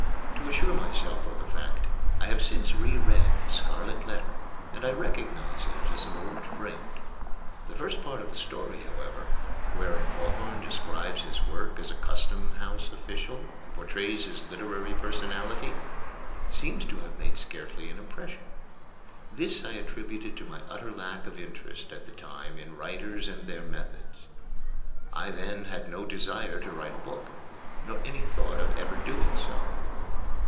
To assure myself of the fact, I have since reread "The Scarlet Letter," and I recognize it as an old friend. The first part of the story, however, wherein Hawthorne describes his work as a Custom House official and portrays his literary personality, seems to have made scarcely any impression. This I attribute to my utter lack of interest at that time in writers and their methods. I then had no desire to write a book, nor any thought of ever doing so.